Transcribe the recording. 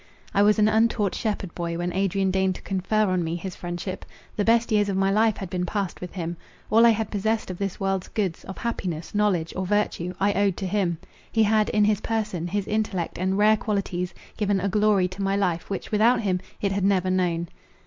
I was an untaught shepherd boy, when Adrian deigned to confer on me his friendship. The best years of my life had been passed with him. All I had possessed of this world's goods, of happiness, knowledge, or virtue—I owed to him. He had, in his person, his intellect, and rare qualities, given a glory to my life, which without him it had never known.